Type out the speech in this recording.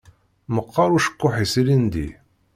Meqqeṛ ucekkuḥ-is ilindi.